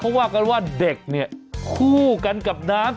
อ้าวแม่อยากเล่นดาม